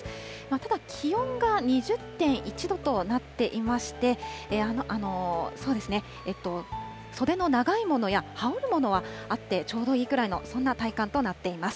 ただ、気温が２０．１度となっていまして、袖の長いものや、羽織るものはあってちょうどいいぐらいの、そんな体感となっています。